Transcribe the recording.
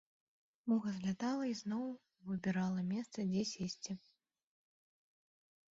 Муха злятала і зноў выбірала месца, дзе сесці.